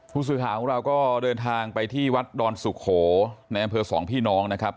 ผู้สื่อข่าวของเราก็เดินทางไปที่วัดดอนสุโขในอำเภอสองพี่น้องนะครับ